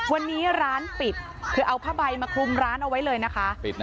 วันนี้ร้านปิดคือเอาผ้าใบมาคลุมร้านเอาไว้เลยนะคะ